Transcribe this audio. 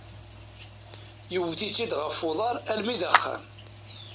Yewwet-itt-id ɣef uḍar almi d axxam.